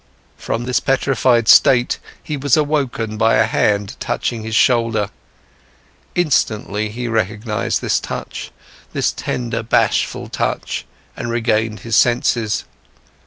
From this petrified state, he was awoken by a hand touching his shoulder. Instantly, he recognised this touch, this tender, bashful touch, and regained his senses.